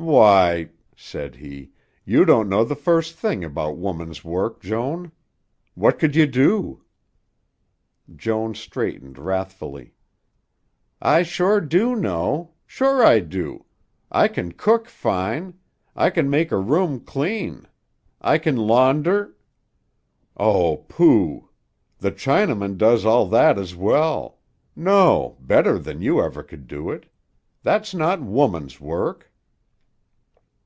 "Why," said he, "you don't know the first thing about woman's work, Joan. What could you do?" Joan straightened wrathfully. "I sure do know. Sure I do. I can cook fine. I can make a room clean. I can launder " "Oh, pooh! The Chinaman does all that as well no, better than you ever could do it. That's not woman's work."